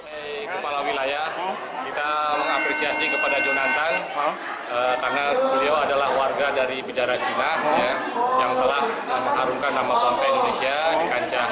sebagai kepala wilayah kita mengapresiasi kepada jonathan karena beliau adalah warga dari bidara cina yang telah mengharumkan nama bangsa indonesia di kancah